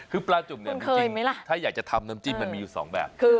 คือปลาจุ่มเนี่ยถ้าอยากจะทำน้ำจิ้มมันมีอยู่๒แบบ